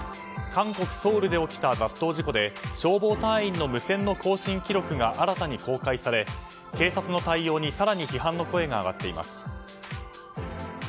韓国ソウルで起きた雑踏事故で消防隊員の無線の交信記録が新たに公開され、警察の対応に更に批判の声が上がっています。